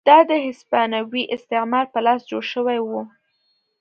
دا د هسپانوي استعمار په لاس جوړ شوي وو.